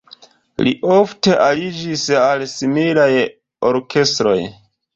Li ofte aliĝis al similaj orkestroj.